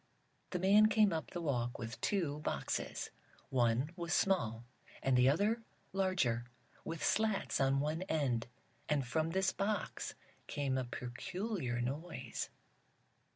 The man came up the walk with two boxes. One was small, and the other larger, with slats on one end. And from this box came a peculiar noise.